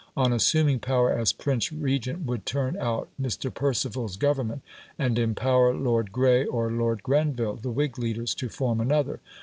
on assuming power as Prince Regent, would turn out Mr. Perceval's Government and empower Lord Grey or Lord Grenville, the Whig leaders, to form another.